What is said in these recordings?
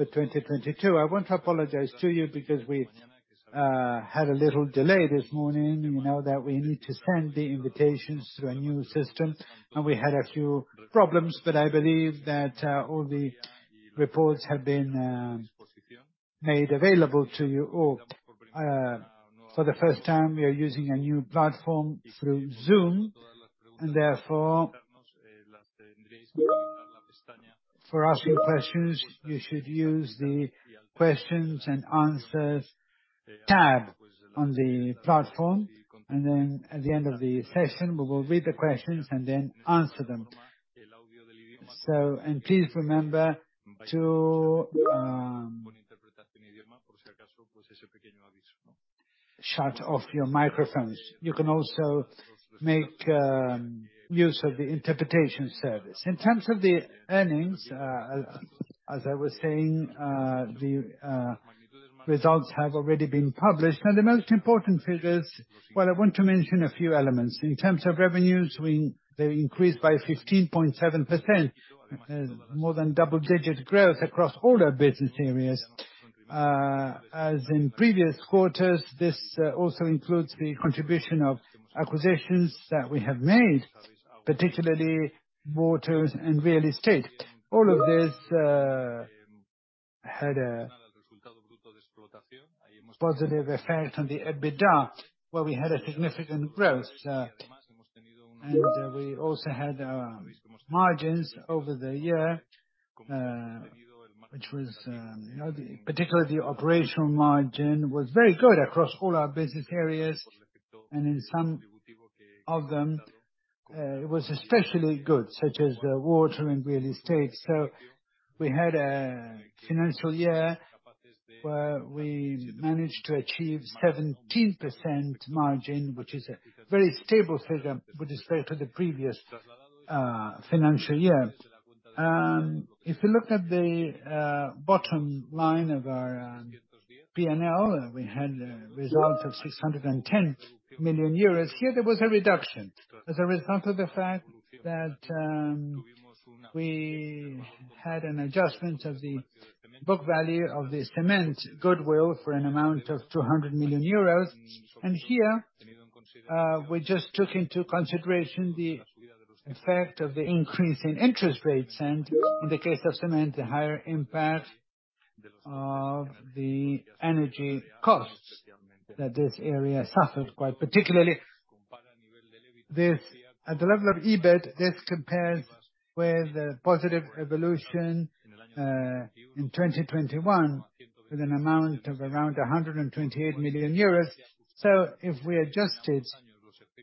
For 2022. I want to apologize to you because we had a little delay this morning. You know that we need to send the invitations through a new system, and we had a few problems. I believe that all the reports have been made available to you all. For the first time, we are using a new platform through Zoom, and therefore for asking questions, you should use the questions and answers tab on the platform. At the end of the session, we will read the questions and then answer them. Please remember to shut off your microphones. You can also make use of the interpretation service. In terms of the earnings, as I was saying, the results have already been published. Now, the most important figures... Well, I want to mention a few elements. In terms of revenues, they increased by 15.7%. More than double-digit growth across all our business areas. As in previous quarters, this also includes the contribution of acquisitions that we have made, particularly Aqualia and Realia. All of this had a positive effect on the EBITDA, where we had a significant growth. We also had margins over the year, which was, you know, particularly the operational margin was very good across all our business areas, and in some of them, it was especially good, such as the Aqualia and Realia. We had a financial year where we managed to achieve 17% margin, which is a very stable figure with respect to the previous financial year. If you look at the bottom line of our P&L, we had a result of 610 million euros. Here, there was a reduction as a result of the fact that we had an adjustment of the book value of the cement goodwill for an amount of 200 million euros. Here, we just took into consideration the effect of the increase in interest rates and, in the case of cement, the higher impact of the energy costs that this area suffered quite particularly. At the level of EBIT, this compares with the positive evolution in 2021 with an amount of around 128 million euros. If we adjusted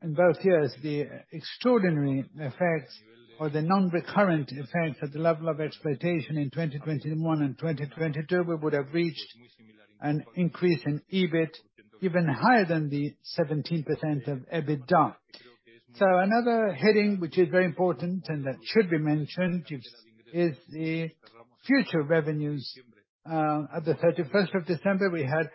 in both years the extraordinary effects or the non-recurrent effects at the level of exploitation in 2021 and 2022, we would have reached an increase in EBIT even higher than the 17% of EBITDA. Another heading, which is very important and that should be mentioned, is the future revenues. At the 31st of December, we had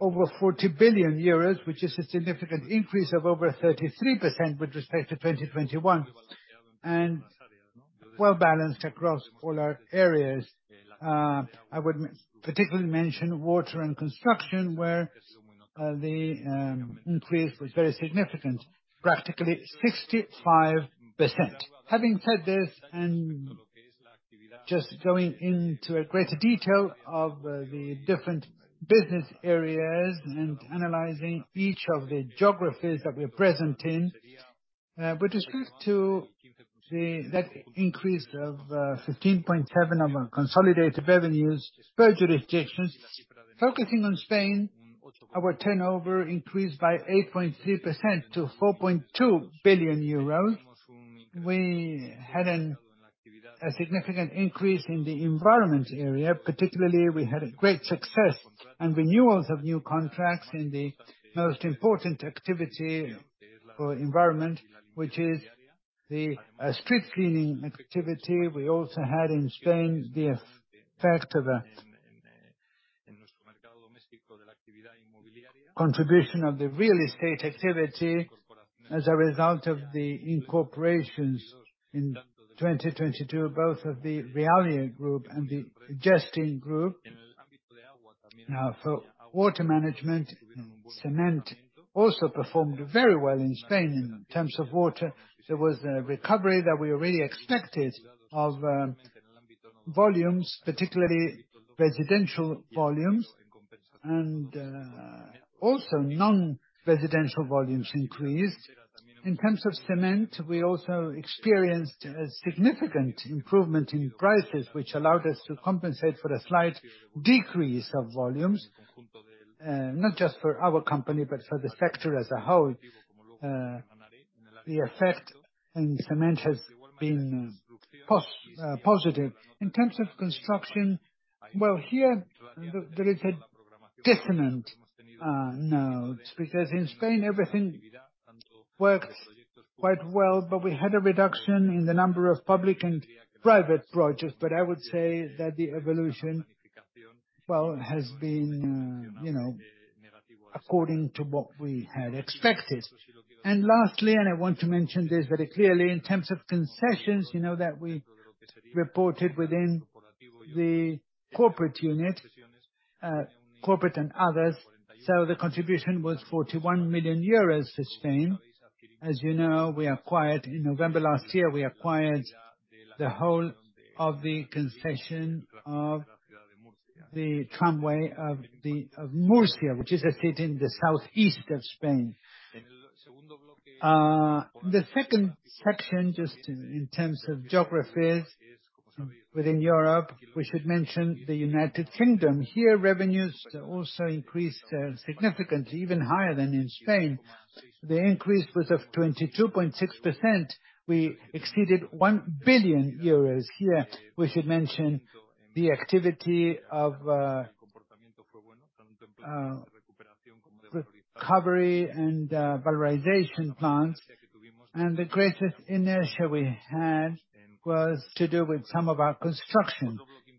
over 40 billion euros, which is a significant increase of over 33% with respect to 2021, and well-balanced across all our areas. I would particularly mention Water and Construction, where the increase was very significant, practically 65%. Having said this, just going into a greater detail of the different business areas and analyzing each of the geographies that we're present in, with respect to that increase of 15.7 of our consolidated revenues by jurisdictions. Focusing on Spain, our turnover increased by 8.3% to 4.2 billion euros. We had a significant increase in the environment area. Particularly, we had a great success and renewals of new contracts in the most important activity for environment, which is the street cleaning activity. We also had in Spain the effect of a contribution of the real estate activity as a result of the incorporations in 2022, both of the Realia Group and the Gestin group. For Water Management, Cement also performed very well in Spain. In terms of water, there was a recovery that we already expected of volumes, particularly residential volumes, and also non-residential volumes increased. In terms of Cement, we also experienced a significant improvement in prices, which allowed us to compensate for the slight decrease of volumes. Not just for our company, but for the sector as a whole. The effect in Cement has been positive. In terms of construction, well, here there is a dissonant notes, because in Spain, everything works quite well, but we had a reduction in the number of public and private projects. I would say that the evolution, well, has been, you know, according to what we had expected. Lastly, and I want to mention this very clearly, in terms of concessions, you know that we reported within the corporate unit, corporate and others. The contribution was 41 million euros for Spain. As you know, in November last year, we acquired the whole of the concession of the Tranvía de Murcia, which is a city in the southeast of Spain. The second section, just in terms of geographies within Europe, we should mention the United Kingdom. Here, revenues also increased significantly, even higher than in Spain. The increase was of 22.6%. We exceeded 1 billion euros here. We should mention the activity of recovery and valorization plants. The greatest inertia we had was to do with some of our construction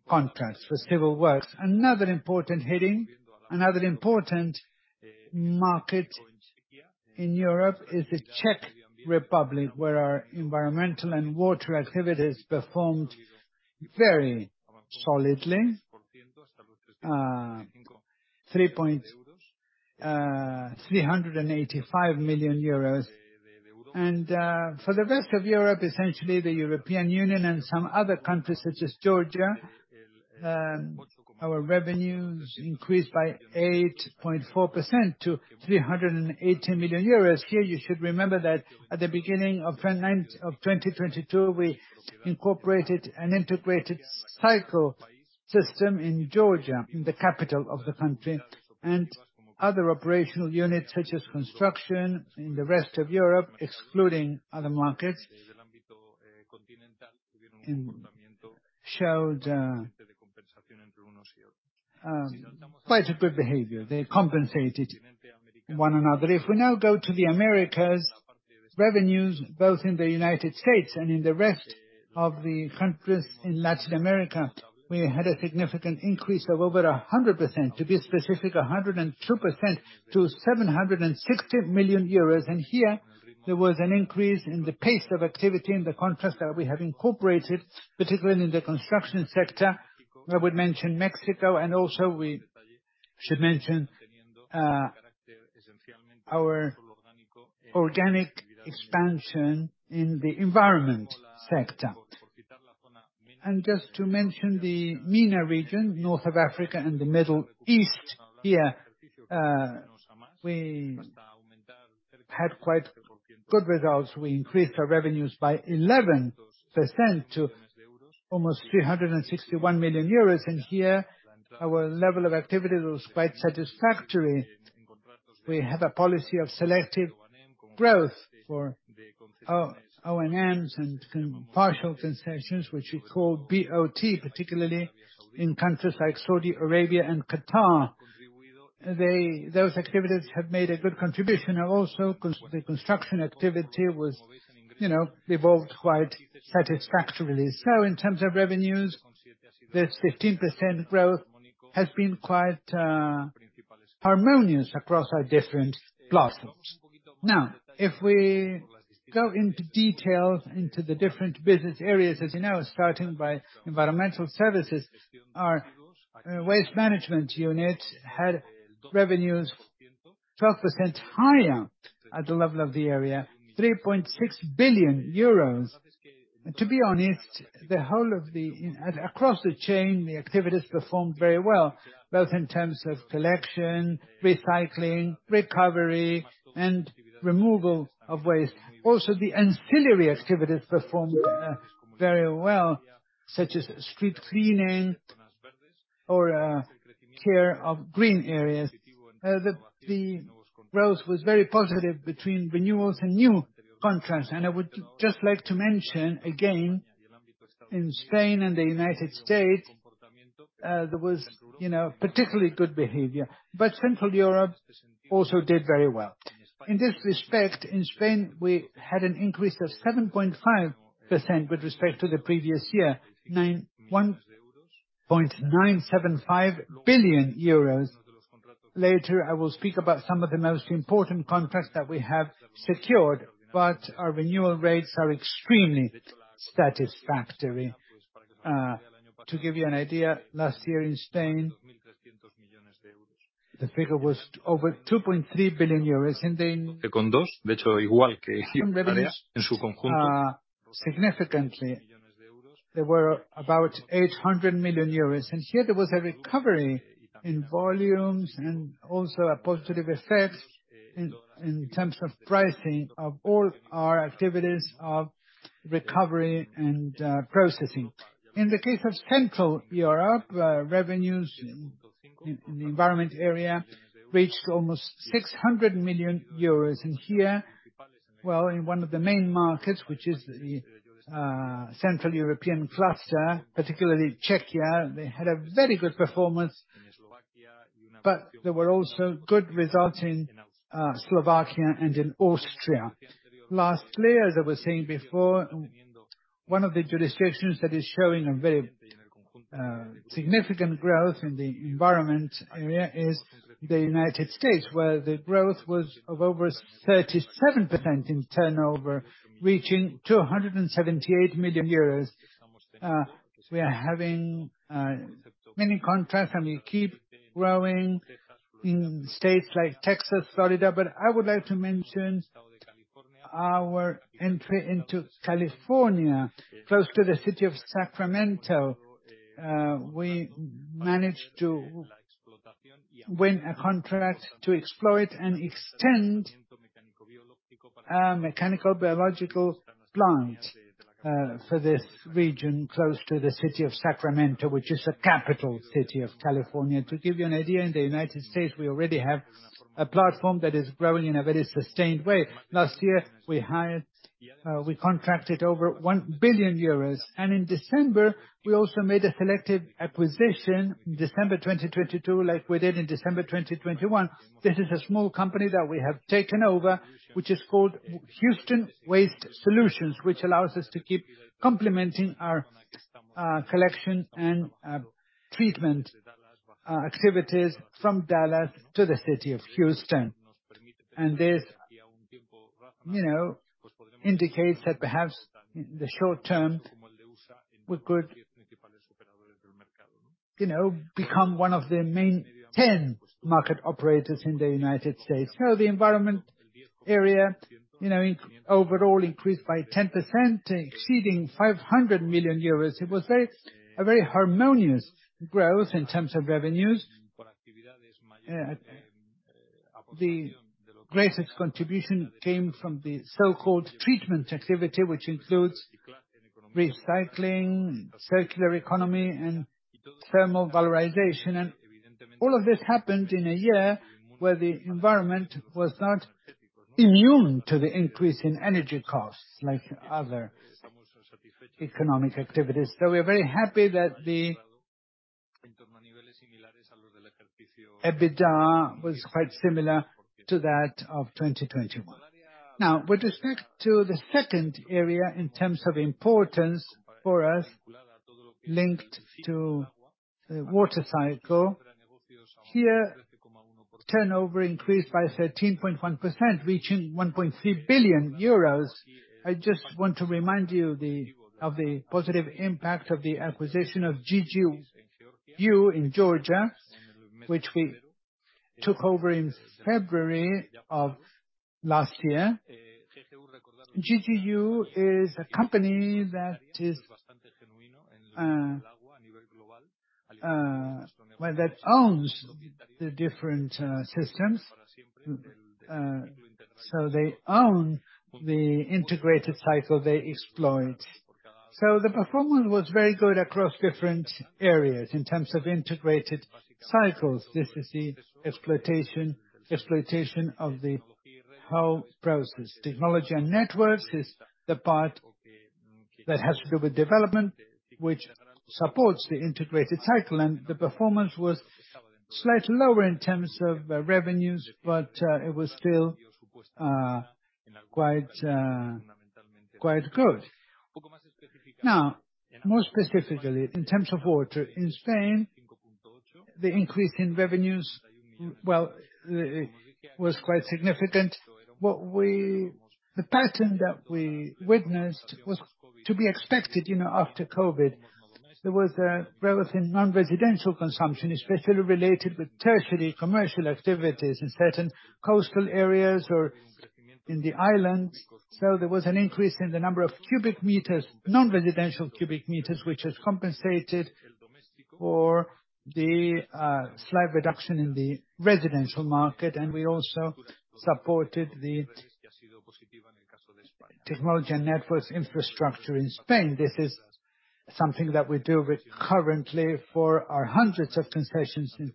contracts for civil works. Another important heading, another important market in Europe is the Czech Republic, where our environmental and water activities performed very solidly. 385 million euros. For the rest of Europe, essentially the European Union and some other countries such as Georgia, our revenues increased by 8.4% to 380 million euros. Here, you should remember that at the beginning of 2022, we incorporated an integrated cycle system in Georgia, in the capital of the country. Other operational units, such as construction in the rest of Europe, excluding other markets, showed quite a good behavior. They compensated one another. If we now go to the Americas, revenues both in the United States and in the rest of the countries in Latin America, we had a significant increase of over 100%, to be specific, 102% to 760 million euros. Here there was an increase in the pace of activity in the contracts that we have incorporated, particularly in the construction sector. I would mention Mexico, also we should mention our organic expansion in the environment sector. Just to mention the MENA region, north of Africa and the Middle East here, we had quite good results. We increased our revenues by 11% to almost 361 million euros. Here our level of activity was quite satisfactory. We have a policy of selective growth for O&Ms and partial concessions, which is called BOT, particularly in countries like Saudi Arabia and Qatar. Those activities have made a good contribution. Also the construction activity was, you know, evolved quite satisfactorily. In terms of revenues, this 15% growth has been quite harmonious across our different platforms. Now, if we go into details into the different business areas, as you know, starting by environmental services, our waste management unit had revenues 12% higher at the level of the area, 3.6 billion euros. To be honest, across the chain, the activities performed very well, both in terms of collection, recycling, recovery, and removal of waste. Also, the ancillary activities performed very well, such as street cleaning or care of green areas. The growth was very positive between renewals and new contracts. I would just like to mention again, in Spain and the United States, there was, you know, particularly good behavior. Central Europe also did very well. In this respect, in Spain, we had an increase of 7.5% with respect to the previous year, 1.975 billion euros. Later, I will speak about some of the most important contracts that we have secured, our renewal rates are extremely satisfactory. To give you an idea, last year in Spain, the figure was over 2.3 billion euros. Revenues significantly. There were about 800 million euros. Here there was a recovery in volumes and also a positive effect in terms of pricing of all our activities of recovery and processing. In the case of Central Europe, revenues in the environment area reached almost 600 million euros. Here, well, in one of the main markets, which is the central European cluster, particularly Czechia, they had a very good performance. But there were also good results in Slovakia and in Austria. Lastly, as I was saying before. One of the jurisdictions that is showing a very significant growth in the environment area is the United States, where the growth was of over 37% in turnover, reaching 278 million euros. We are having many contracts and we keep growing in states like Texas, Florida. I would like to mention our entry into California, close to the city of Sacramento. We managed to win a contract to exploit and extend mechanical biological plants for this region close to the city of Sacramento, which is the capital city of California. To give you an idea, in the United States, we already have a platform that is growing in a very sustained way. Last year, we hired, we contracted over 1 billion euros. In December, we also made a selective acquisition, December 2022, like we did in December 2021. This is a small company that we have taken over, which is called Houston Waste Solutions, which allows us to keep complementing our collection and treatment activities from Dallas to the city of Houston. This, you know, indicates that perhaps in the short term, we could, you know, become one of the main 10 market operators in the United States. The environment area, you know, overall increased by 10%, exceeding 500 million euros. It was a very harmonious growth in terms of revenues. The greatest contribution came from the so-called treatment activity, which includes recycling, circular economy, and thermal valorization. All of this happened in a year where the environment was not immune to the increase in energy costs like other economic activities. We're very happy that the EBITDA was quite similar to that of 2021. With respect to the second area, in terms of importance for us, linked to the water cycle. Here, turnover increased by 13.1%, reaching 1.3 billion euros. I just want to remind you of the positive impact of the acquisition of GGU in Georgia, which we took over in February of last year. GGU is a company that is, well, that owns the different systems. So they own the integrated cycle they exploit. The performance was very good across different areas in terms of integrated cycles. This is the exploitation of the whole process. Technology and networks is the part that has to do with development, which supports the integrated cycle. The performance was slightly lower in terms of revenues, it was still quite good. More specifically, in terms of water in Spain, the increase in revenues, well, it was quite significant. What we The pattern that we witnessed was to be expected, you know, after COVID. There was a relative non-residential consumption, especially related with tertiary commercial activities in certain coastal areas or in the islands. There was an increase in the number of cubic meters, non-residential cubic meters, which has compensated for the slight reduction in the residential market. We also supported the technology and networks infrastructure in Spain. This is something that we deal with currently for our hundreds of concessions in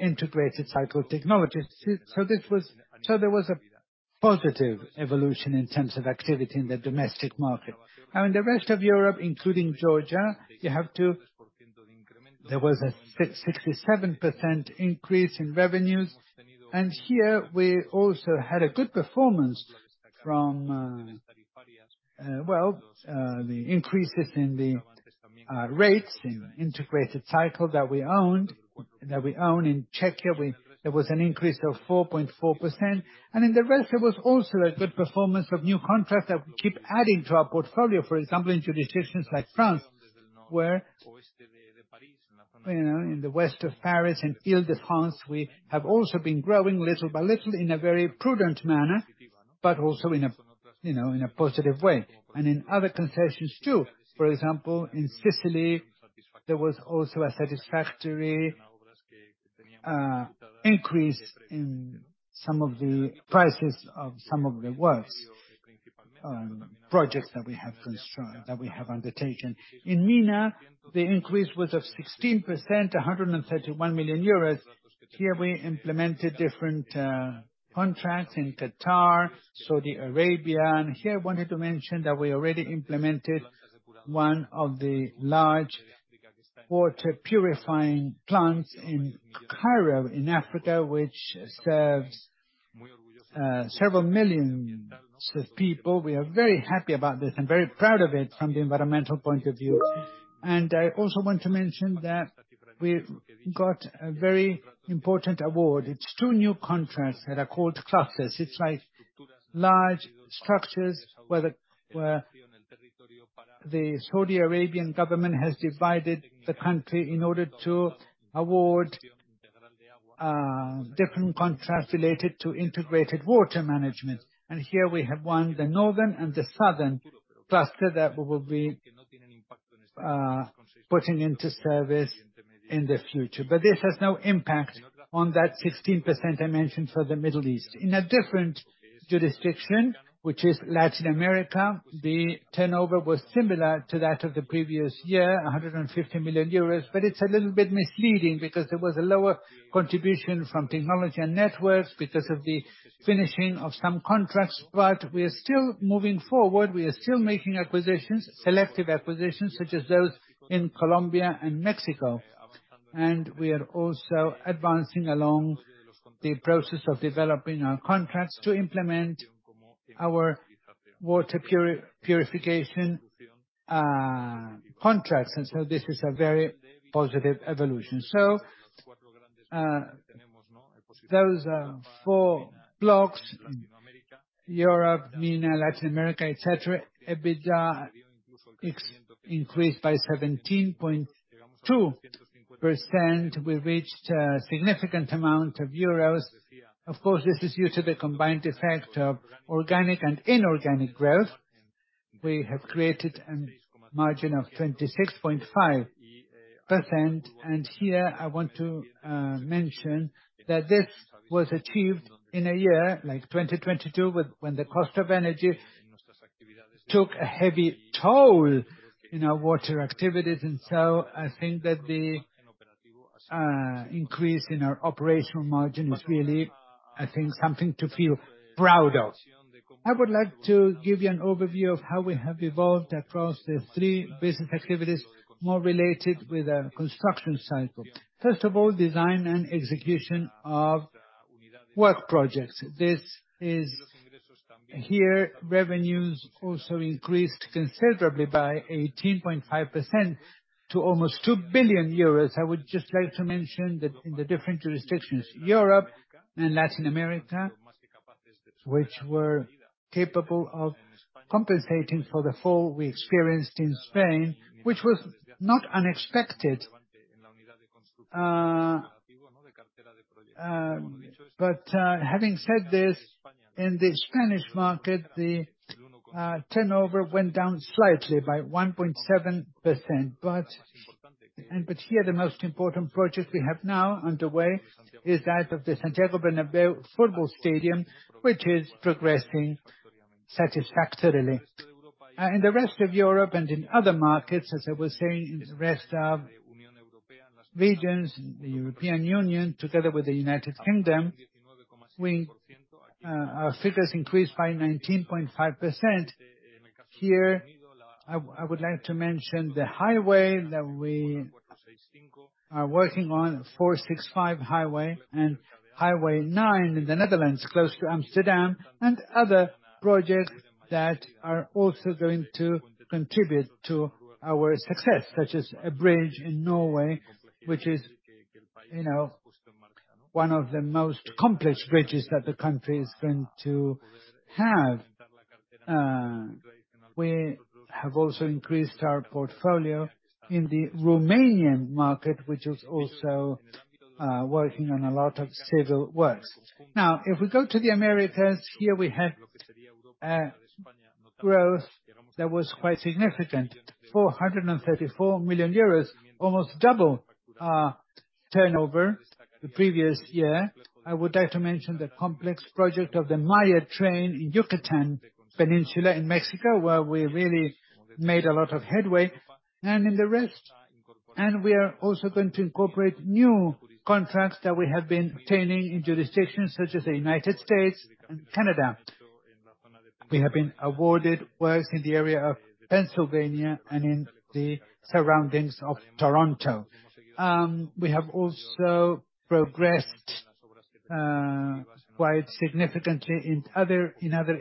integrated cycle technologies. There was a positive evolution in terms of activity in the domestic market. In the rest of Europe, including Georgia, there was a 67% increase in revenues. Here we also had a good performance from, well, the increases in the rates in integrated cycle that we own. In Czechia, there was an increase of 4.4%. In the rest, there was also a good performance of new contracts that we keep adding to our portfolio. For example, in jurisdictions like France, where, you know, in the west of Paris, in Île-de-France, we have also been growing little by little in a very prudent manner, but also in a, you know, in a positive way. In other concessions too. For example, in Sicily, there was also a satisfactory increase in some of the prices of some of the works projects that we have undertaken. In MENA, the increase was of 16%, 131 million euros. Here we implemented different contracts in Qatar, Saudi Arabia. Here I wanted to mention that we already implemented one of the large water purifying plants in Cairo, in Africa, which serves several millions of people. We are very happy about this and very proud of it from the environmental point of view. I also want to mention that we've got a very important award. It's two new contracts that are called clusters. It's like large structures where the Saudi Arabian government has divided the country in order to award different contracts related to integrated water management. Here we have won the northern and the southern cluster that we will be putting into service in the future. This has no impact on that 16% I mentioned for the Middle East. In a different jurisdiction, which is Latin America, the turnover was similar to that of the previous year, 150 million euros. It's a little bit misleading because there was a lower contribution from technology and networks because of the finishing of some contracts. We are still moving forward. We are still making acquisitions, selective acquisitions, such as those in Colombia and Mexico. We are also advancing along the process of developing our contracts to implement our water purification contracts. This is a very positive evolution. Those are four blocks, Europe, MENA, Latin America, et cetera. EBITDA increased by 17.2%. We reached a significant amount of euros. Of course, this is due to the combined effect of organic and inorganic growth. We have created a margin of 26.5%. Here I want to mention that this was achieved in a year like 2022, when the cost of energy took a heavy toll in our water activities. I think that the increase in our operational margin is really something to feel proud of. I would like to give you an overview of how we have evolved across the three business activities more related with the construction cycle. First of all, design and execution of work projects. Here, revenues also increased considerably by 18.5% to almost 2 billion euros. I would just like to mention that in the different jurisdictions, Europe and Latin America, which were capable of compensating for the fall we experienced in Spain, which was not unexpected. having said this, in the Spanish market, the turnover went down slightly by 1.7%. Here, the most important project we have now underway is that of the Santiago Bernabéu Football Stadium, which is progressing satisfactorily. In the rest of Europe and in other markets, as I was saying, in the rest of regions, the European Union, together with the United Kingdom, we our figures increased by 19.5%. Here, I would like to mention the A465 highway that we are working on, A9 in the Netherlands, close to Amsterdam, and other projects that are also going to contribute to our success, such as a bridge in Norway, which is, you know, one of the most complex bridges that the country is going to have. We have also increased our portfolio in the Romanian market, which is also working on a lot of civil works. If we go to the Americas, here we had growth that was quite significant, 434 million euros, almost double our turnover the previous year. I would like to mention the complex project of the Tren Maya in Yucatán Peninsula in Mexico, where we really made a lot of headway. In the rest. We are also going to incorporate new contracts that we have been obtaining in jurisdictions such as the United States and Canada. We have been awarded works in the area of Pennsylvania and in the surroundings of Toronto. We have also progressed quite significantly in other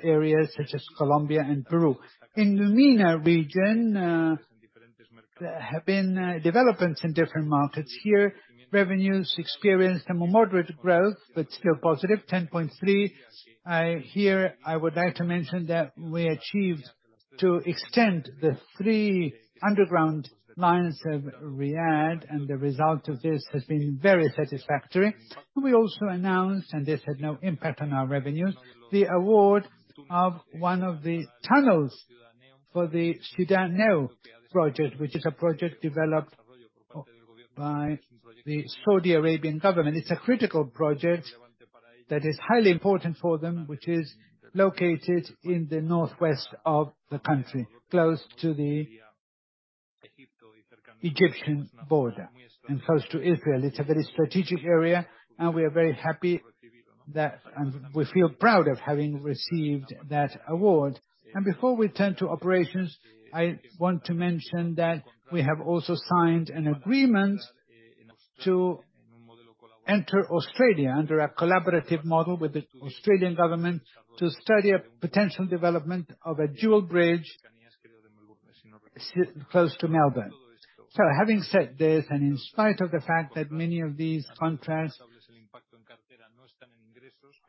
areas such as Colombia and Peru. In the MENA region, there have been developments in different markets here. Revenues experienced a moderate growth, but still positive, 10.3%. Here, I would like to mention that we achieved to extend the three underground lines of Riyadh, and the result of this has been very satisfactory. We also announced, and this had no impact on our revenues, the award of one of the tunnels for the Qiddiya project, which is a project developed by the Saudi Arabian government. It's a critical project that is highly important for them, which is located in the northwest of the country, close to the Egyptian border and close to Israel. It's a very strategic area, and we are very happy that and we feel proud of having received that award. Before we turn to operations, I want to mention that we have also signed an agreement to enter Australia under a collaborative model with the Australian government to study a potential development of a dual bridge site close to Melbourne. Having said this, and in spite of the fact that many of these contracts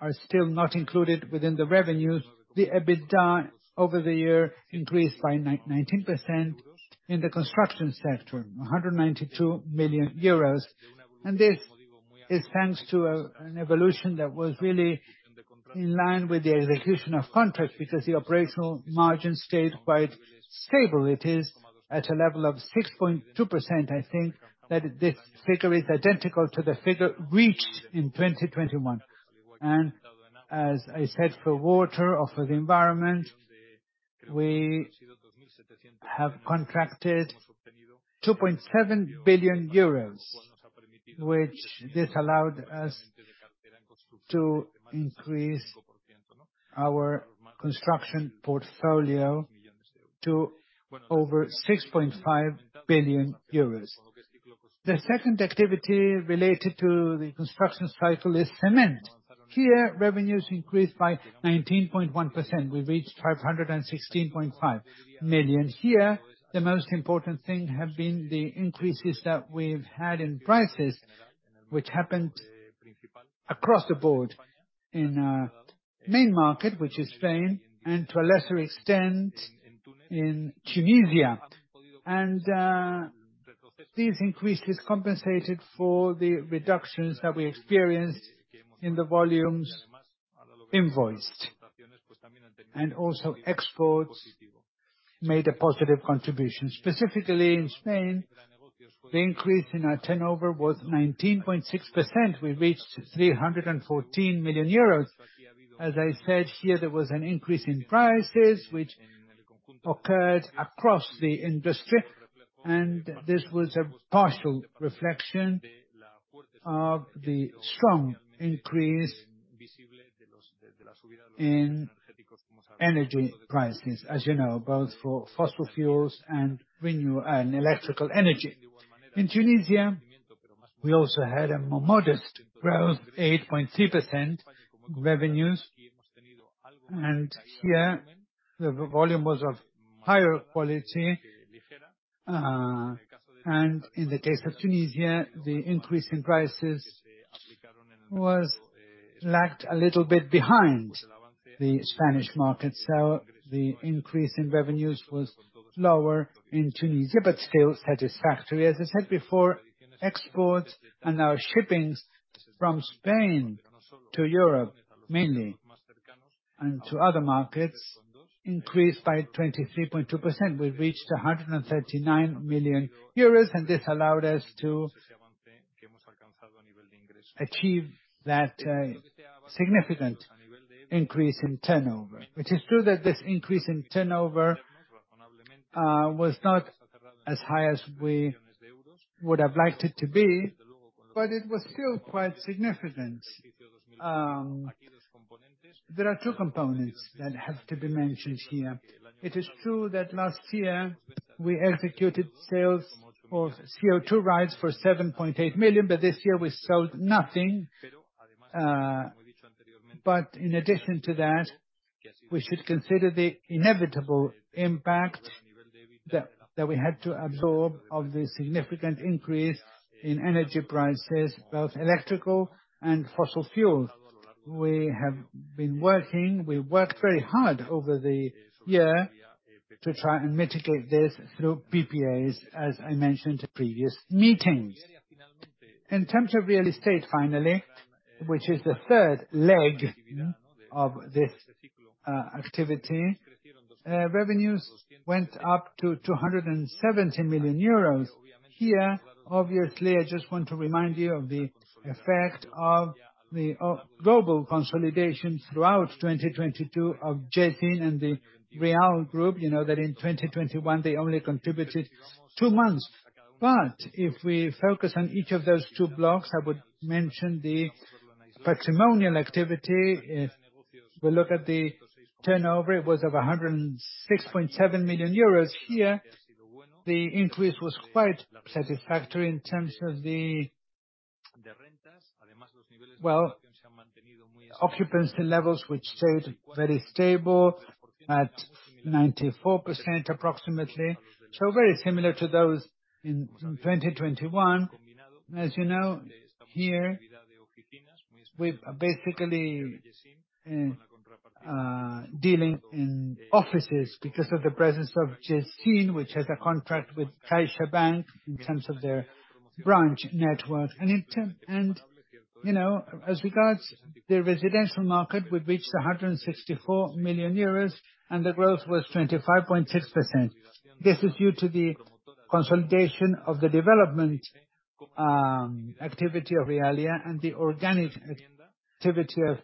are still not included within the revenues, the EBITDA over the year increased by 19% in the construction sector, 192 million euros. This is thanks to an evolution that was really in line with the execution of contracts because the operational margins stayed quite stable. It is at a level of 6.2%. I think that this figure is identical to the figure reached in 2021. As I said, for water or for the environment, we have contracted 2.7 billion euros, which this allowed us to increase our construction portfolio to over 6.5 billion euros. The second activity related to the construction cycle is cement. Here, revenues increased by 19.1%. We reached 516.5 million. Here, the most important thing have been the increases that we've had in prices, which happened across the board in our main market, which is Spain, and to a lesser extent in Tunisia. These increases compensated for the reductions that we experienced in the volumes invoiced. Also exports made a positive contribution. Specifically in Spain, the increase in our turnover was 19.6%. We reached 314 million euros. As I said, here there was an increase in prices, which occurred across the industry, and this was a partial reflection of the strong increase in energy prices, as you know, both for fossil fuels and electrical energy. In Tunisia, we also had a more modest growth, 8.3% revenues. Here the volume was of higher quality. In the case of Tunisia, the increase in prices was... Lagged a little bit behind the Spanish market. The increase in revenues was lower in Tunisia, but still satisfactory. As I said before, exports and our shippings from Spain to Europe mainly, and to other markets increased by 23.2%. We reached 139 million euros. This allowed us to achieve that significant increase in turnover, which is true that this increase in turnover was not as high as we would have liked it to be, but it was still quite significant. There are two components that have to be mentioned here. It is true that last year we executed sales of CO2 rights for 7.8 million. This year we sold nothing. In addition to that, we should consider the inevitable impact that we had to absorb of the significant increase in energy prices, both electrical and fossil fuels. We worked very hard over the year to try and mitigate this through PPAs, as I mentioned previous meetings. In terms of real estate finally, which is the third leg of this activity, revenues went up to 270 million euros. Here, obviously, I just want to remind you of the effect of the global consolidation throughout 2022 of Jezzine and the Realia Group. You know that in 2021 they only contributed two months. If we focus on each of those two blocks, I would mention the patrimonial activity. If we look at the turnover, it was of 106.7 million euros. Here, the increase was quite satisfactory in terms of Well, occupancy levels, which stayed very stable at 94% approximately. Very similar to those in 2021. As you know, here we've basically dealing in offices because of the presence of Jezzine, which has a contract with CaixaBank in terms of their branch network. you know, as regards, the residential market, we've reached 164 million euros, the growth was 25.6%. This is due to the consolidation of the development activity of Realia and the organic activity of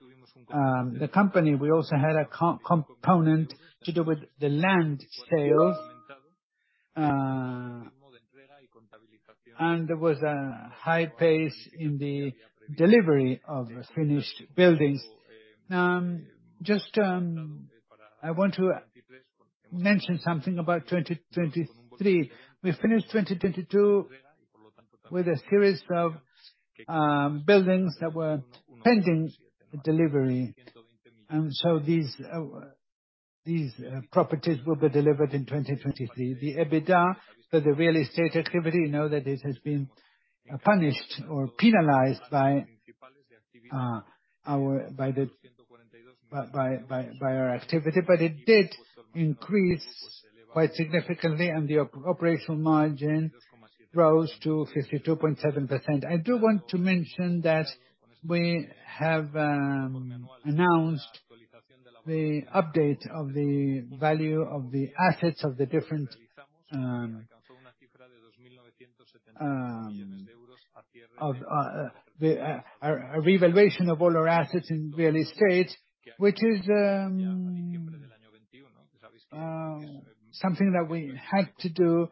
the company. We also had a co-component to do with the land sales, there was a high pace in the delivery of finished buildings. Just, Mention something about 2023. We finished 2022 with a series of buildings that were pending delivery. These properties will be delivered in 2023. The EBITDA for the real estate activity, know that it has been punished or penalized by our activity, but it did increase quite significantly, and the operational margin rose to 52.7%. I do want to mention that we have announced the update of the value of the assets of the different a revaluation of all our assets in real estate, which is something that we had to do.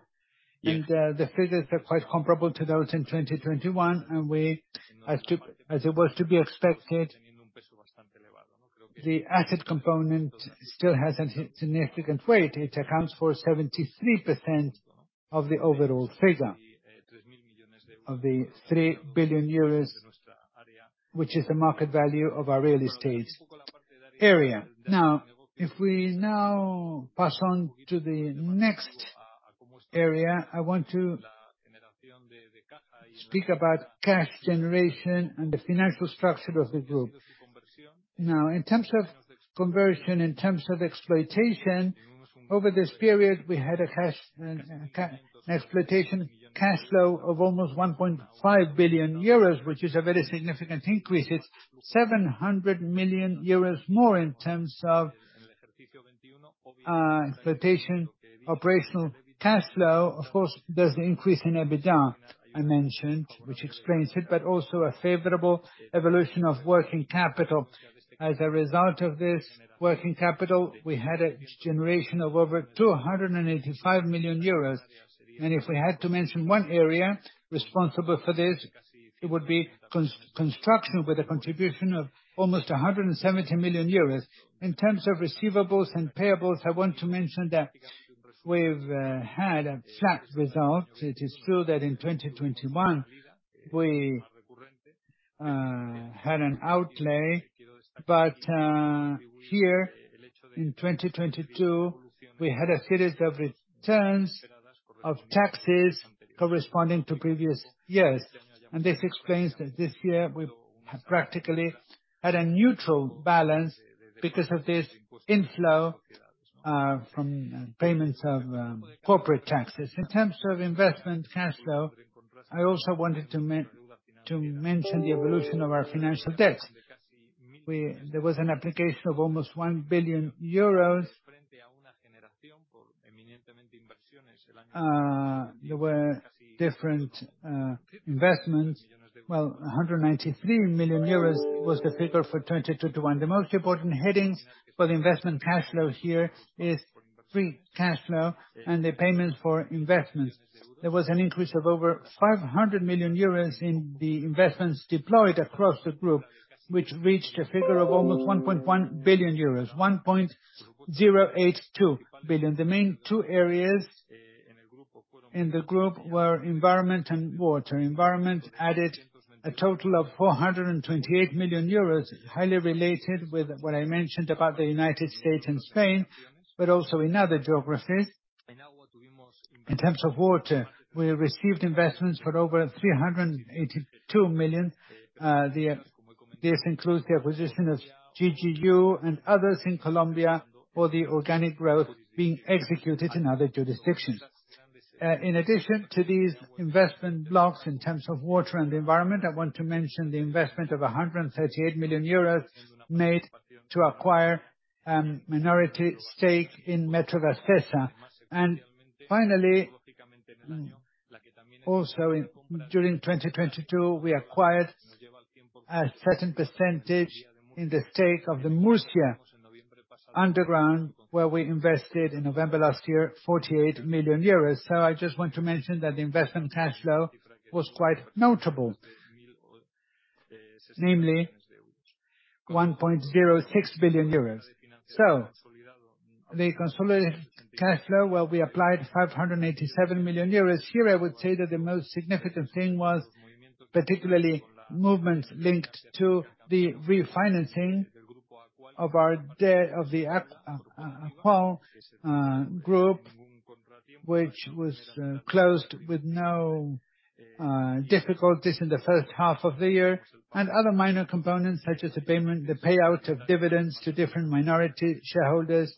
The figures are quite comparable to those in 2021. As it was to be expected, the asset component still has a significant weight. It accounts for 73% of the overall figure, of the 3 billion euros, which is the market value of our real estate area. If we now pass on to the next area, I want to speak about cash generation and the financial structure of the group. In terms of conversion, in terms of exploitation, over this period, we had a cash exploitation cash flow of almost 1.5 billion euros, which is a very significant increase. It's 700 million euros more in terms of exploitation, operational cash flow. There's the increase in EBITDA I mentioned, which explains it, but also a favorable evolution of working capital. As a result of this working capital, we had a generation of over 285 million euros. If we had to mention one area responsible for this, it would be construction with a contribution of almost 170 million euros. In terms of receivables and payables, I want to mention that we've had a flat result. It is true that in 2021, we had an outlay, but here in 2022, we had a series of returns of taxes corresponding to previous years. This explains that this year we have practically had a neutral balance because of this inflow from payments of corporate taxes. In terms of investment cash flow, I also wanted to mention the evolution of our financial debt. There was an application of almost 1 billion euros. There were different investments. Well, 193 million euros was the figure for 2021. The most important headings for the investment cash flows here is free cash flow and the payments for investments. There was an increase of over 500 million euros in the investments deployed across the group, which reached a figure of almost 1.1 billion euros, 1.082 billion. The main two areas in the group were environment and water. Environment added a total of 428 million euros, highly related with what I mentioned about the United States and Spain, but also in other geographies. In terms of water, we received investments for over 382 million. This includes the acquisition of GGU and others in Colombia for the organic growth being executed in other jurisdictions. In addition to these investment blocks in terms of water and the environment, I want to mention the investment of 138 million euros made to acquire a minority stake in Metrovacesa. Also in 2022, we acquired a certain percentage in the stake of the Tranvía de Murcia, where we invested in November last year, 48 million euros. The investment cash flow was quite notable. Namely, 1.06 billion euros. We applied 587 million euros. Here, I would say that the most significant thing was particularly movements linked to the refinancing of our debt of the Aqualia group, which was closed with no difficulties in the first half of the year, and other minor components, such as the payment, the payout of dividends to different minority shareholders,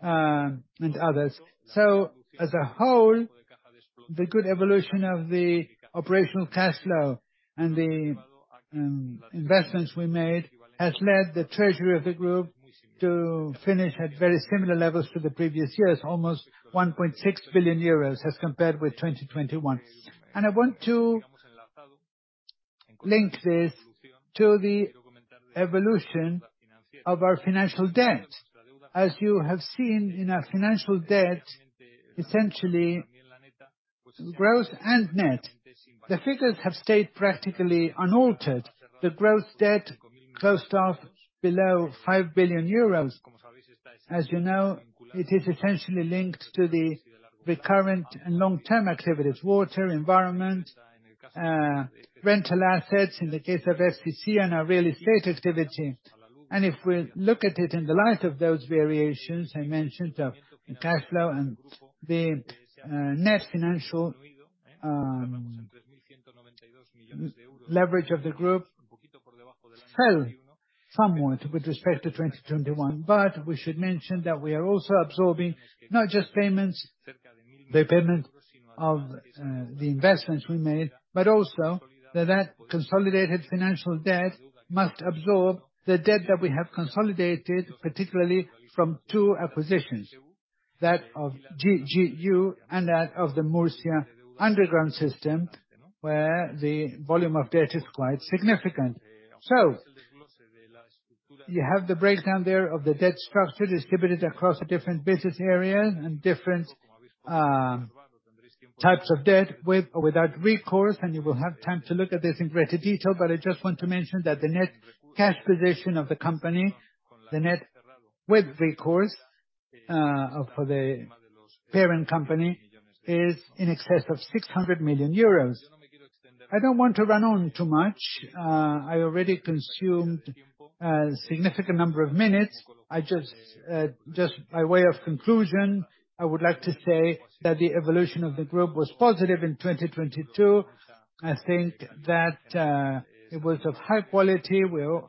and others. As a whole, the good evolution of the operational cash flow and the investments we made has led the treasury of the group to finish at very similar levels to the previous years. Almost 1.6 billion euros as compared with 2021. I want to link this to the evolution of our financial debt. As you have seen in our financial debt, essentiallyGrowth and net. The figures have stayed practically unaltered. The growth debt closed off below 5 billion euros. As you know, it is essentially linked to the recurrent and long-term activities, water, environment, rental assets in the case of FCC and our real estate activity. If we look at it in the light of those variations I mentioned of the cash flow and the net financial leverage of the group fell somewhat with respect to 2021. We should mention that we are also absorbing not just payments, the payment of the investments we made, but also that that consolidated financial debt must absorb the debt that we have consolidated, particularly from two acquisitions, that of GGU and that of the Murcia underground system, where the volume of debt is quite significant. You have the breakdown there of the debt structure distributed across the different business areas and different types of debt with or without recourse, you will have time to look at this in greater detail. I just want to mention that the net cash position of the company, the net with recourse, for the parent company is in excess of 600 million euros. I don't want to run on too much. I already consumed a significant number of minutes. Just by way of conclusion, I would like to say that the evolution of the group was positive in 2022. I think that it was of high quality, well,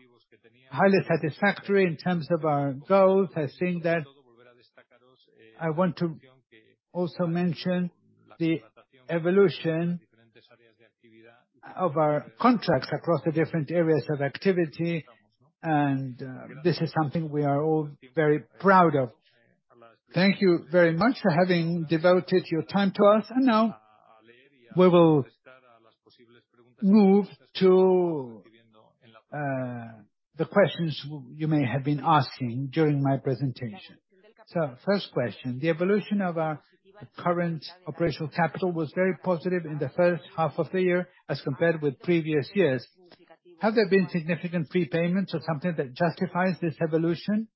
highly satisfactory in terms of our goals. I think that I want to also mention the evolution of our contracts across the different areas of activity, and this is something we are all very proud of. Thank you very much for having devoted your time to us. Now we will move to the questions you may have been asking during my presentation. First question. The evolution of our current operational capital was very positive in the first half of the year as compared with previous years. Have there been significant prepayments or something that justifies this evolution?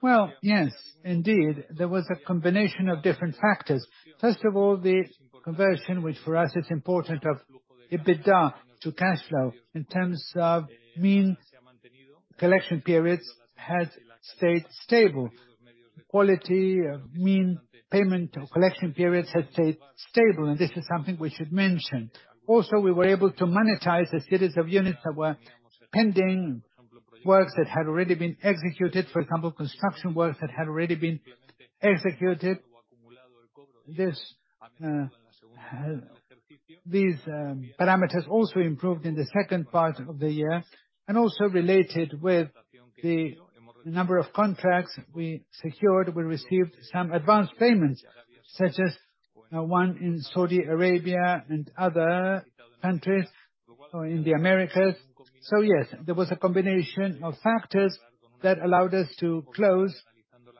Well, yes, indeed, there was a combination of different factors. First of all, the conversion, which for us is important of EBITDA to cash flow in terms of mean collection periods had stayed stable. The quality of mean payment or collection periods had stayed stable, and this is something we should mention. We were able to monetize a series of units that were pending, works that had already been executed, for example, construction works that had already been executed. These parameters also improved in the second part of the year. Also related with the number of contracts we secured, we received some advanced payments, such as one in Saudi Arabia and other countries or in the Americas. Yes, there was a combination of factors that allowed us to close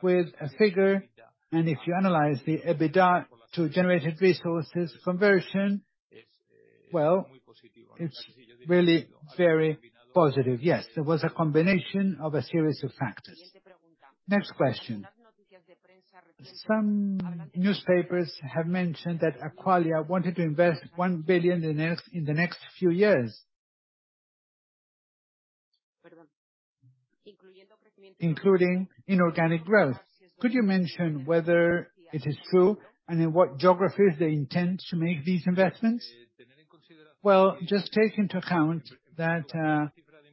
with a figure. If you analyze the EBITDA to generated resources conversion, well, it's really very positive. Yes, there was a combination of a series of factors. Next question. Some newspapers have mentioned that Aqualia wanted to invest 1 billion in the next few years. Including inorganic growth. Could you mention whether it is true and in what geographies they intend to make these investments? Just take into account that,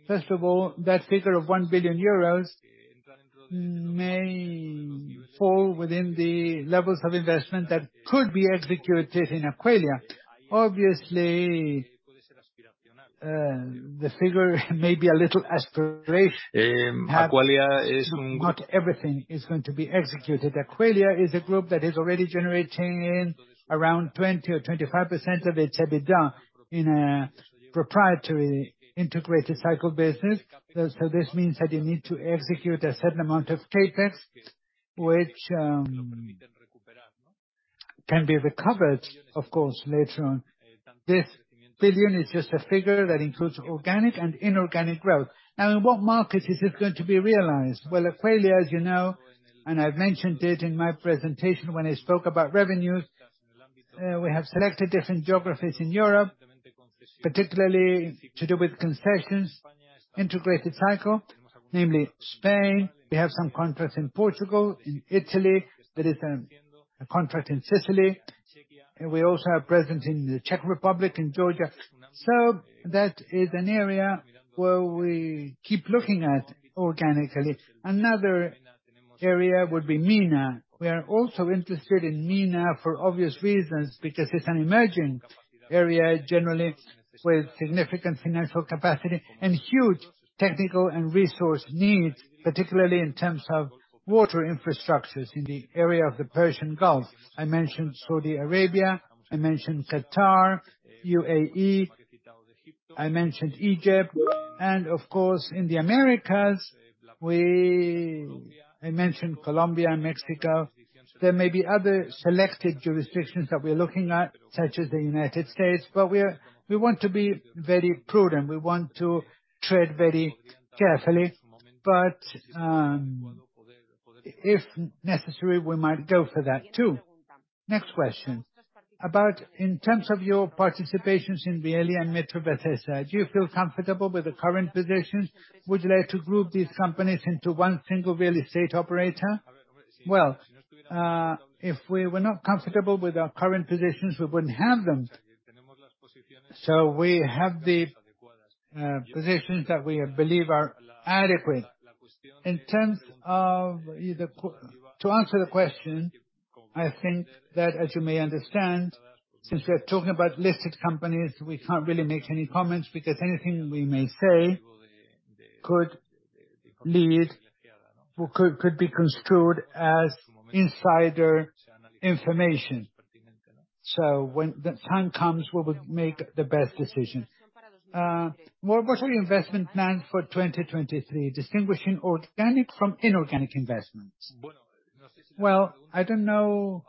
first of all, that figure of 1 billion euros may fall within the levels of investment that could be executed in Aqualia. Obviously, the figure may be a little aspirational. Not everything is going to be executed. Aqualia is a group that is already generating around 20% or 25% of its EBITDA in a proprietary integrated cycle business. This means that you need to execute a certain amount of CapEx, which can be recovered, of course, later on. This billion is just a figure that includes organic and inorganic growth. In what markets is this going to be realized? Well, Aqualia, as you know, and I've mentioned it in my presentation when I spoke about revenues, we have selected different geographies in Europe, particularly to do with concessions, integrated cycle, namely Spain. We have some contracts in Portugal, in Italy. There is a contract in Sicily. We also have presence in the Czech Republic, in Georgia. That is an area where we keep looking at organically. Another area would be MENA. We are also interested in MENA for obvious reasons, because it's an emerging area generally with significant financial capacity and huge technical and resource needs, particularly in terms of water infrastructures in the area of the Persian Gulf. I mentioned Saudi Arabia, I mentioned Qatar, UAE. I mentioned Egypt. Of course, in the Americas, I mentioned Colombia and Mexico. There may be other selected jurisdictions that we're looking at, such as the United States. We want to be very prudent. We want to tread very carefully. If necessary, we might go for that, too. Next question. About in terms of your participations in Realia and Metrovacesa, do you feel comfortable with the current positions? Would you like to group these companies into one single real estate operator? Well, if we were not comfortable with our current positions, we wouldn't have them. We have the positions that we believe are adequate. In terms of either To answer the question, I think that, as you may understand, since we are talking about listed companies, we can't really make any comments because anything we may say could lead or could be construed as insider information. When the time comes, we will make the best decision. What are your investment plan for 2023, distinguishing organic from inorganic investments? Well, I don't know.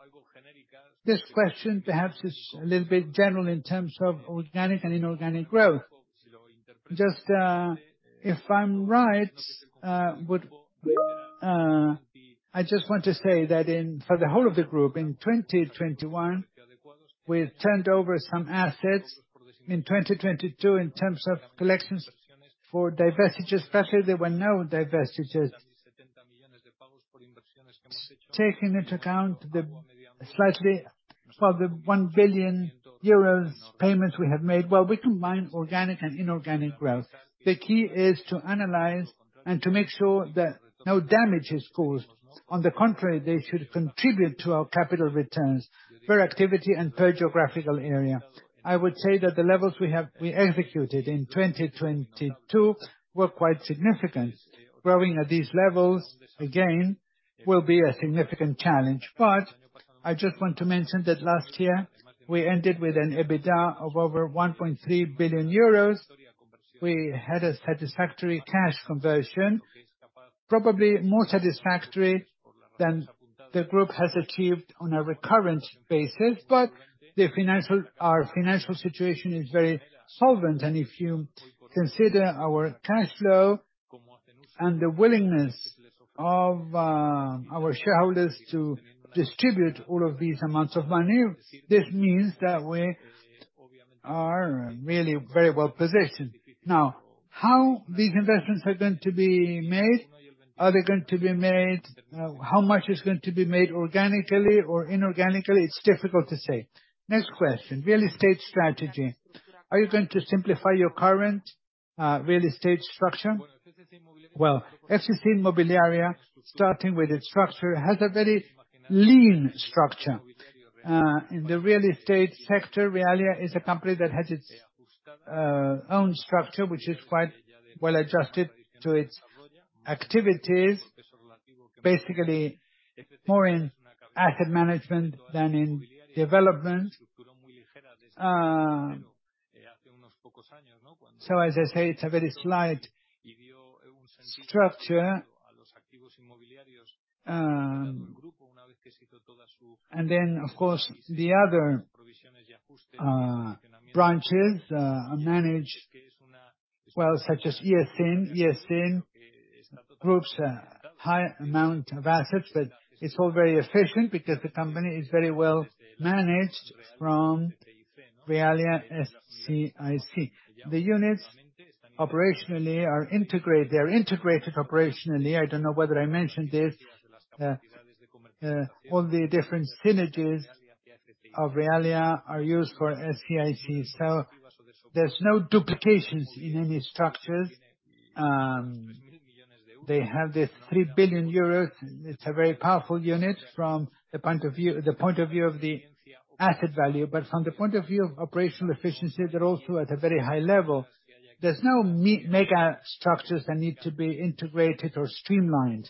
This question perhaps is a little bit general in terms of organic and inorganic growth. Just, if I'm right, I just want to say that for the whole of the group in 2021, we turned over some assets. In 2022, in terms of collections for divestitures, especially, there were no divestitures. Taking into account for the 1 billion euros payments we have made, well, we combine organic and inorganic growth. The key is to analyze and to make sure that no damage is caused. On the contrary, they should contribute to our capital returns per activity and per geographical area. I would say that the levels we executed in 2022 were quite significant. Growing at these levels, again, will be a significant challenge. I just want to mention that last year we ended with an EBITDA of over 1.3 billion euros. We had a satisfactory cash conversion, probably more satisfactory than the group has achieved on a recurrent basis. Our financial situation is very solvent. If you consider our cash flow and the willingness of our shareholders to distribute all of these amounts of money, this means that we are really very well-positioned. How these investments are going to be made, how much is going to be made organically or inorganically, it's difficult to say. Next question. Real estate strategy. Are you going to simplify your current real estate structure? FCC Inmobiliaria, starting with its structure, has a very lean structure. In the real estate sector, Realia is a company that has its own structure, which is quite well-adjusted to its activities, basically more in asset management than in development. So as I say, it's a very slight structure. And then, of course, the other branches are managed, well, such as ESN. ESN groups a high amount of assets, but it's all very efficient because the company is very well managed from Realia SIIC. The units operationally are integrated. They're integrated operationally. I don't know whether I mentioned this. All the different synergies of Realia are used for SIIC. There's no duplications in any structures. They have this 3 billion euros. It's a very powerful unit from the point of view of the asset value. From the point of view of operational efficiency, they're also at a very high level. There's no mega structures that need to be integrated or streamlined.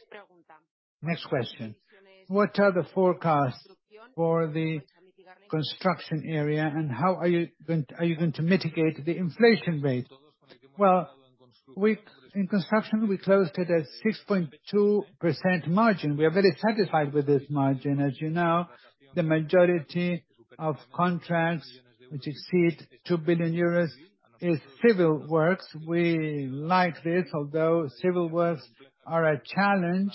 Next question. What are the forecasts for the construction area, and how are you going to mitigate the inflation rate? In construction, we closed it at 6.2% margin. We are very satisfied with this margin. As you know, the majority of contracts which exceed 2 billion euros is civil works. We like this, although civil works are a challenge.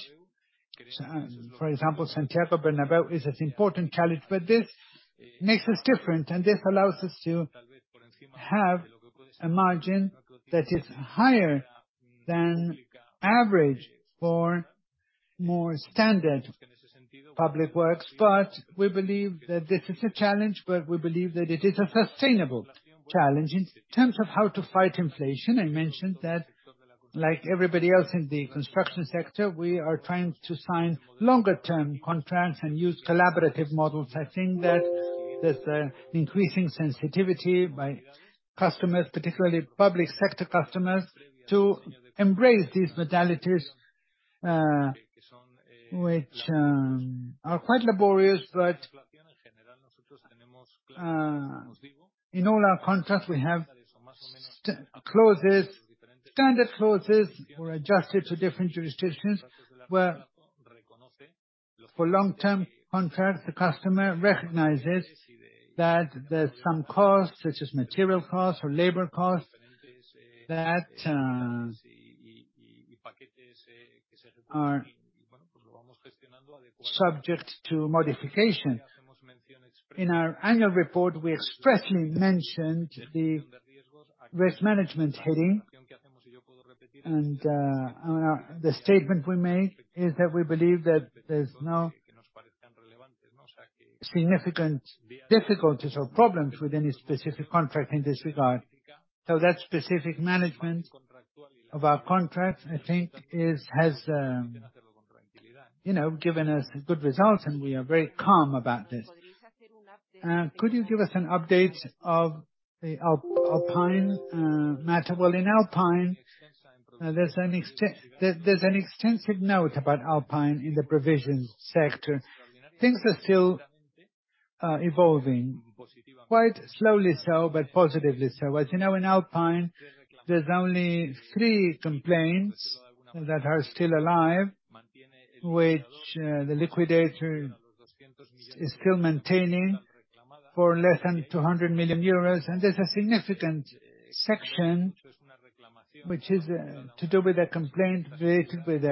For example, Santiago Bernabéu is an important challenge. This makes us different, and this allows us to have a margin that is higher than average for more standard public works. We believe that this is a challenge, but we believe that it is a sustainable challenge. In terms of how to fight inflation, I mentioned that like everybody else in the construction sector, we are trying to sign longer-term contracts and use collaborative models. I think that there's an increasing sensitivity by customers, particularly public sector customers, to embrace these modalities, which are quite laborious. In all our contracts, we have standard clauses, or adjusted to different jurisdictions, where for long-term contracts, the customer recognizes that there's some costs, such as material costs or labor costs, that are subject to modification. In our annual report, we expressly mentioned the risk management heading. On the statement we made is that we believe that there's no significant difficulties or problems with any specific contract in this regard. That specific management of our contracts, I think is, has, you know, given us good results, and we are very calm about this. Could you give us an update of the Alpine matter? Well, in Alpine, there's an extensive note about Alpine in the provisions sector. Things are still evolving, quite slowly so, but positively so. As you know, in Alpine, there's only three complaints that are still alive, which the liquidator is still maintaining for less than 200 million euros. There's a significant section which is to do with a complaint related with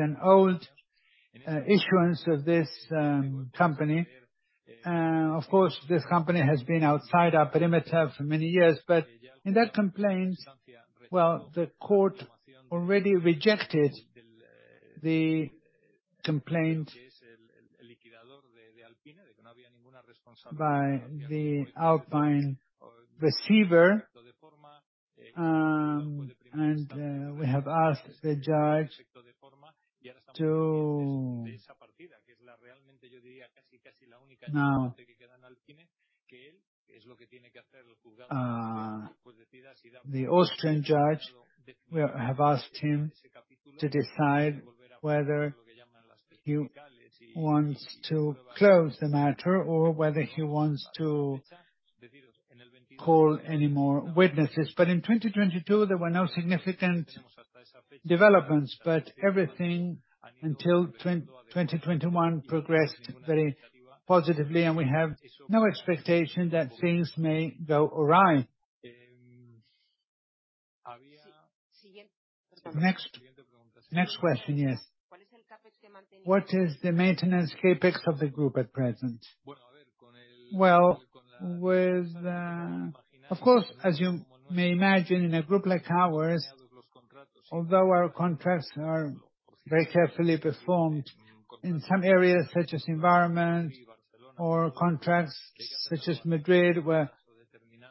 an old issuance of this company. Of course, this company has been outside our perimeter for many years. In that complaint, well, the court already rejected the complaint by the Alpine receiver. We have asked the Austrian judge to decide whether he wants to close the matter or whether he wants to call any more witnesses. In 2022, there were no significant developments, but everything until 2021 progressed very positively, and we have no expectation that things may go awry. Next question, yes. What is the maintenance CapEx of the group at present? With, of course, as you may imagine, in a group like ours, although our contracts are very carefully performed, in some areas such as environment or contracts such as Madrid, where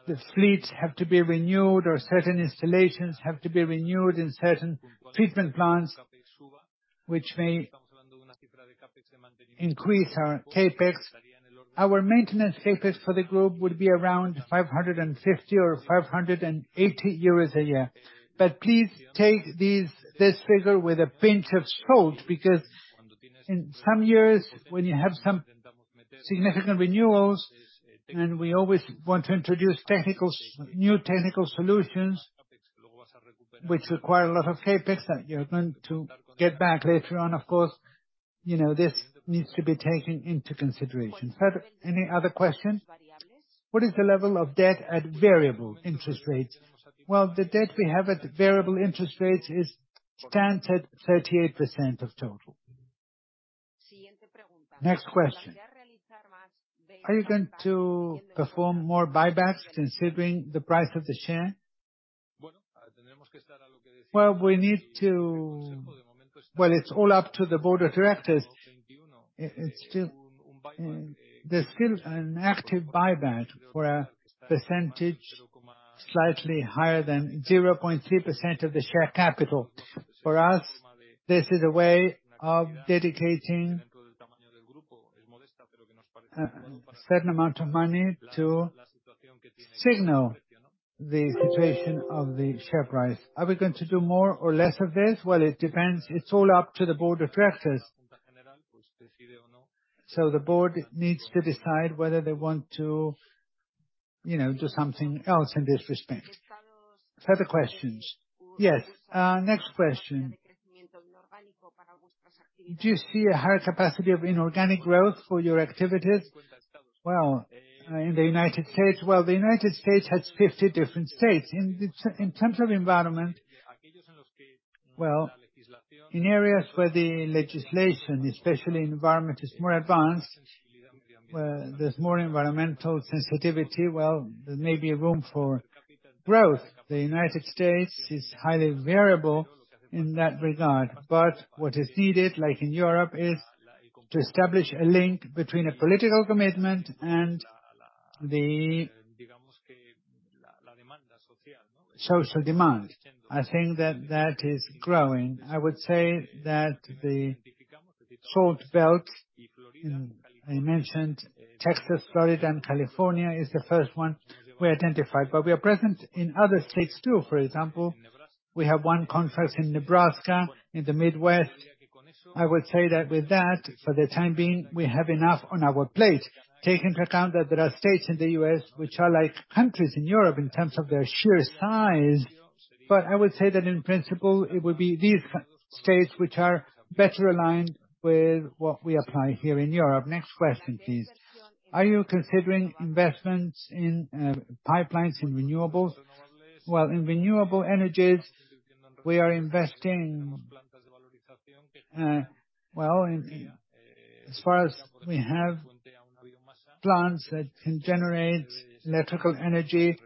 the fleets have to be renewed or certain installations have to be renewed in certain treatment plants, which may increase our CapEx. Our maintenance CapEx for the group would be around 550 or 580 euros a year. Please take this figure with a pinch of salt, because in some years, when you have some significant renewals, and we always want to introduce technical, new technical solutions which require a lot of CapEx that you're going to get back later on, of course, you know, this needs to be taken into consideration. Any other questions? What is the level of debt at variable interest rates? The debt we have at variable interest rates is standard 38% of total. Next question. Are you going to perform more buybacks considering the price of the share? It's all up to the board of directors. It's still, there's still an active buyback for a percentage slightly higher than 0.3% of the share capital. For us, this is a way of dedicating a certain amount of money to signal the situation of the share price. Are we going to do more or less of this? Well, it depends. It's all up to the board of directors. The board needs to decide whether they want to, you know, do something else in this respect. Further questions? Yes. Next question. Do you see a higher capacity of inorganic growth for your activities? Well, in the United States, well, the United States has 50 different states. In terms of environment, well, in areas where the legislation, especially environment, is more advanced, where there's more environmental sensitivity, well, there may be room for growth. The U.S. is highly variable in that regard. What is needed, like in Europe, is to establish a link between a political commitment and the social demand. I think that that is growing. I would say that the Sun Belt in, I mentioned Texas, Florida, and California is the first one we identified. We are present in other states too. We have one conference in Nebraska, in the Midwest. I would say that with that, for the time being, we have enough on our plate. Take into account that there are states in the U.S. which are like countries in Europe in terms of their sheer size. I would say that in principle, it would be these states which are better aligned with what we apply here in Europe. Next question, please. Are you considering investments in pipelines in renewables? Well, in renewable energies, we are investing, well, in as far as we have plants that can generate electrical energy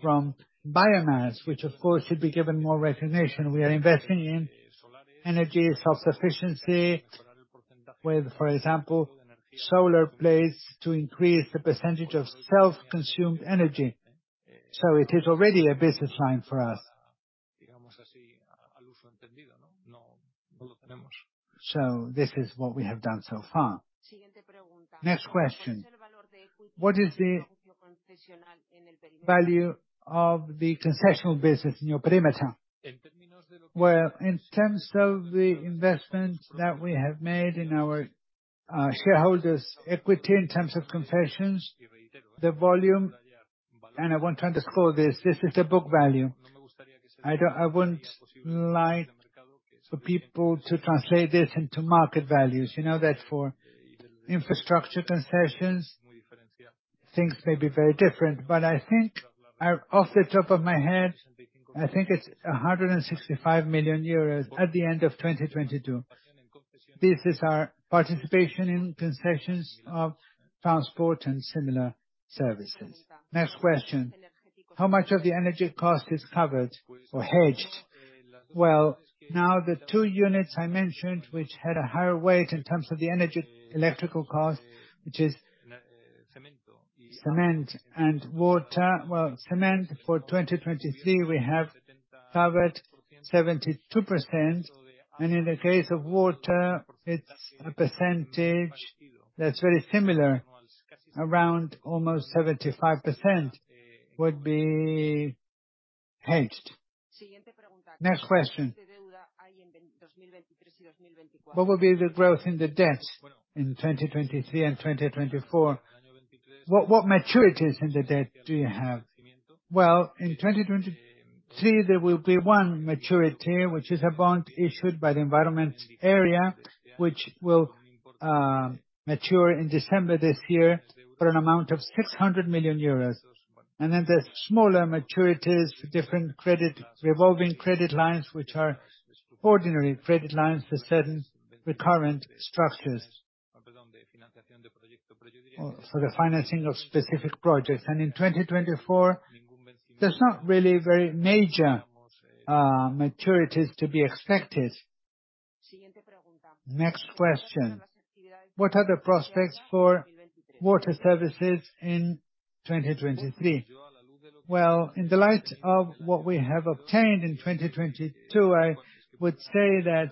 from biomass, which of course should be given more recognition. We are investing in energy self-sufficiency with, for example, solar plates to increase the percentage of self-consumed energy. It is already a business line for us. This is what we have done so far. Next question: What is the value of the concessional business in your perimeter? Well, in terms of the investment that we have made in our shareholders' equity, in terms of concessions, the volume, and I want to underscore this is the book value. I wouldn't like for people to translate this into market values. You know that for infrastructure concessions, things may be very different. I think, off the top of my head, I think it's 165 million euros at the end of 2022. This is our participation in concessions of transport and similar services. Next question: How much of the energy cost is covered or hedged? Now the two units I mentioned, which had a higher weight in terms of the energy electrical cost, which is cement and water. Cement for 2023, we have covered 72%, and in the case of water, it's a percentage that's very similar, around almost 75% would be hedged. Next question: What will be the growth in the debt in 2023 and 2024? What maturities in the debt do you have? In 2023, there will be one maturity, which is a bond issued by the environment area, which will mature in December this year for an amount of 600 million euros. The smaller maturities for different revolving credit lines, which are ordinary credit lines for certain recurrent structures. For the financing of specific projects. In 2024, there's not really very major maturities to be expected. Next question: What are the prospects for water services in 2023? In the light of what we have obtained in 2022, I would say that,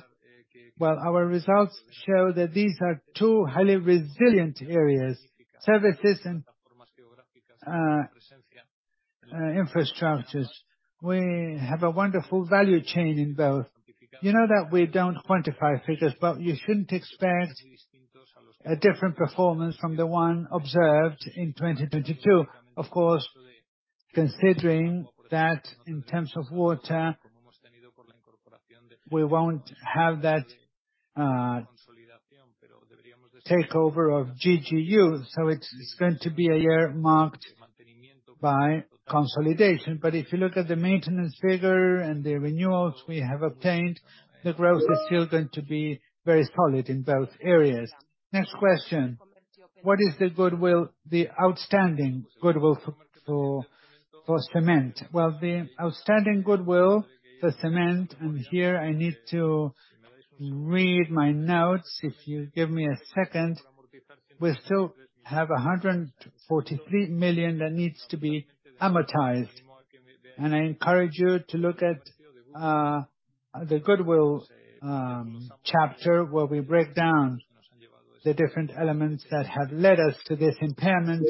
well, our results show that these are two highly resilient areas, services and infrastructures. We have a wonderful value chain in both. You know that we don't quantify figures, but you shouldn't expect a different performance from the one observed in 2022. Of course, considering that in terms of water, we won't have that takeover of GGU, it's going to be a year marked by consolidation. If you look at the maintenance figure and the renewals we have obtained, the growth is still going to be very solid in both areas. Next question: What is the outstanding goodwill for cement? The outstanding goodwill for cement, and here I need to read my notes, if you give me a second, we still have 143 million that needs to be amortized. I encourage you to look at the goodwill chapter, where we break down the different elements that have led us to this impairment,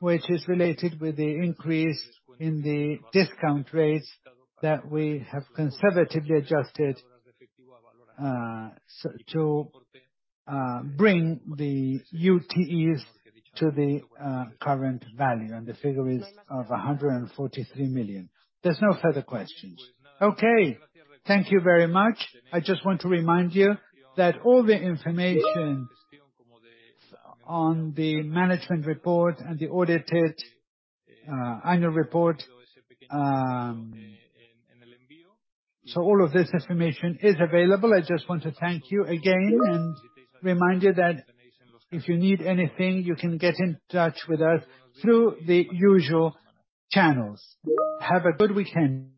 which is related with the increase in the discount rates that we have conservatively adjusted to bring the UTEs to the current value, and the figure is of 143 million. There's no further questions. Okay. Thank you very much. I just want to remind you that all the information on the management report and the audited annual report, so all of this information is available. I just want to thank you again and remind you that if you need anything, you can get in touch with us through the usual channels. Have a good weekend.